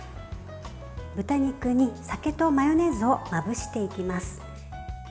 豚肉に酒とマヨネーズをまぶしていきます。